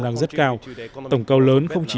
đang rất cao tổng cầu lớn không chỉ